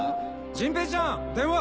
陣平ちゃん電話！